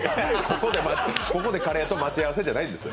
ここでカレーと待ち合わせじゃないんですよ。